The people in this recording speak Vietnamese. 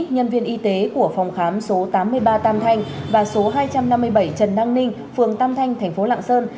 nhân viên y tế của phòng khám số tám mươi ba tam thanh và số hai trăm năm mươi bảy trần năng ninh phường tam thanh thành phố lạng sơn